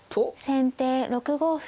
先手６五歩。